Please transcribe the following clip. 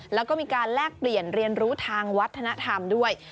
แล้วก็มีการแลกเปลี่ยนเรียนรู้ทางวัฒนธรรมด้วย